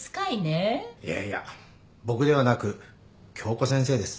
いやいや僕ではなく今日子先生です。